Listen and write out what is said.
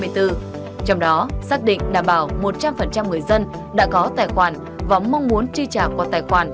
trong đó xác định đảm bảo một trăm linh người dân đã có tài khoản và mong muốn chi trả qua tài khoản